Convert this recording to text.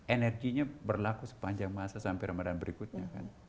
energinya berlaku sepanjang masa sampai ramadhan berikutnya